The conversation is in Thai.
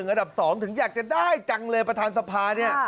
อันดับ๑อันดับ๒ถึงอยากจะได้จังเลยประธานสภา